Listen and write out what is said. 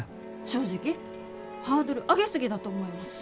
正直ハードル上げ過ぎだと思います。